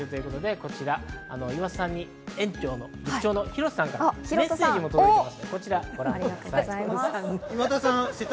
こちら、岩田さんに園長・廣田さんからメッセージも届いています。